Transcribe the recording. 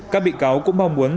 các bị cáo cũng mong muốn